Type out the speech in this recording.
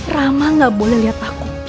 rama gak boleh lihat aku